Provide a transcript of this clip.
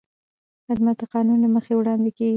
خدمت د قانون له مخې وړاندې کېږي.